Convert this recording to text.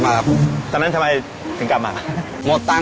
แต่เมื่อกี้ทำไมถึงกลับมา